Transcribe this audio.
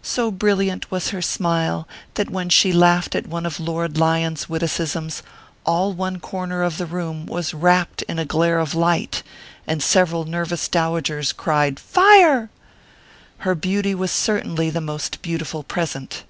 So brilliant was her smile, that when she laughed at one of Lord Lyons witicisms, all one corner of the room was wrapped in a glare of light, and several nervous dowagers cried " Fire !" Her beauty was certainly the most beautiful present.